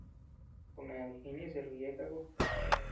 Kuned jinii ñeʼe servilleta ku.